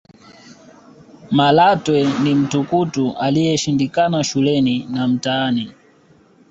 malatwe ni mtukutu aliyeshindikana shuleni na mtaani